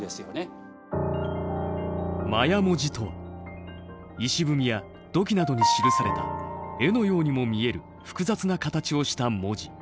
マヤ文字とは碑や土器などに記された絵のようにも見える複雑な形をした文字。